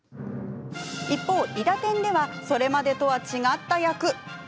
一方、「いだてん」ではそれまでとは違った役。